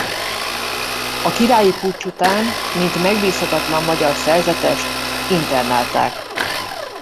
A királyi puccs után mint megbízhatatlan magyar szerzetest internálták.